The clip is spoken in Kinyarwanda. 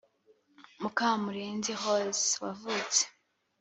Mukamurenzi Rose wavutse